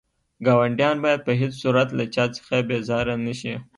ګاونډيان بايد په هيڅ صورت له چا څخه بيزاره نه شئ.